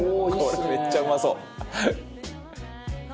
これめっちゃうまそう。